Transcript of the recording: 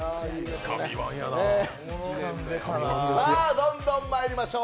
どんどんまいりましょう。